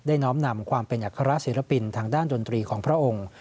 น้อมนำความเป็นอัครศิลปินทางด้านดนตรีของพระองค์